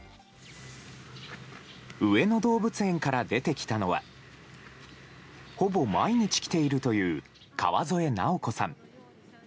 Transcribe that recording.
上野動物園から出てきたのはほぼ毎日来ているという川添尚子さん。